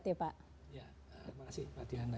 terima kasih pak diana